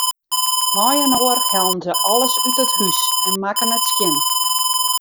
Mei-inoar hellen se alles út it hús en makken it skjin.